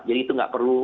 jadi ini adalah perbedaan